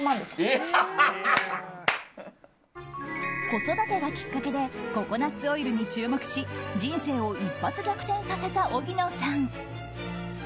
子育てがきっかけでココナッツオイルに注目し人生を一発逆転させた荻野さん。